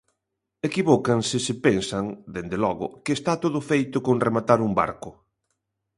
Equivócanse se pensan, dende logo, que está todo feito con rematar un barco.